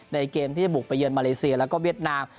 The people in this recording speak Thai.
เกมที่จะบุกไปเยือนมาเลเซียแล้วก็เวียดนาม